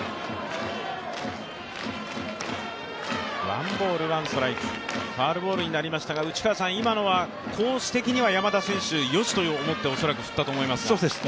ワンボール・ワンストライク、ファウルボールになりましたが、今のはコース的には山田選手、よし！と思って振ったと思いますが。